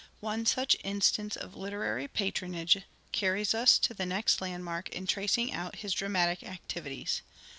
One such instance of literary patronage carries us to the next landmark in tracing out his dramatic activities.